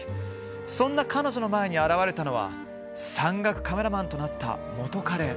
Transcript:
そんな彼女の前に現れたのは山岳カメラマンとなった元彼。